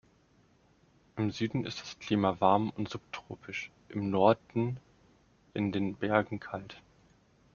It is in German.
Im Süden ist das Klima warm und subtropisch, im Norden in den Bergen kalt.